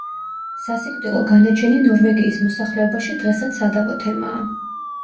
სასიკვდილო განაჩენი ნორვეგიის მოსახლეობაში დღესაც სადავო თემაა.